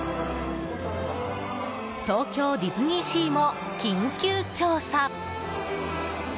東京ディズニーシーも緊急調査。